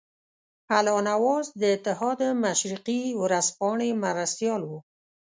الله نواز د اتحاد مشرقي ورځپاڼې مرستیال وو.